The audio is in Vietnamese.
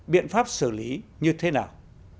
biện pháp xử lý như thế nào